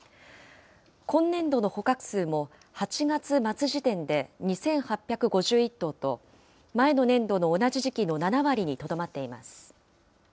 今年度の捕獲数も８月末時点で２８５１頭と、前の年度の同じ時期の７割にとどまっています。